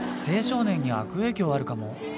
青少年に悪影響あるかも。